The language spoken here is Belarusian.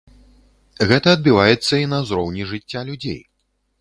Гэта адбіваецца і на ўзроўні жыцця людзей.